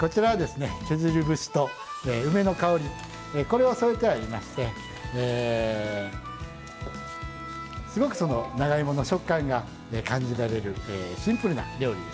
これを添えてありましてすごくその長芋の食感が感じられるシンプルな料理ですね。